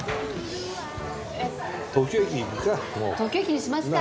東京駅にしますか。